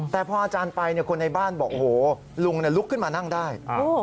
แต่พออาจารย์ไปคนในบ้านบอกโหลุงลุกขึ้นมานั่งได้